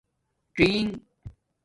څینݣ